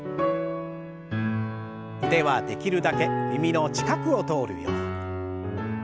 腕はできるだけ耳の近くを通るように。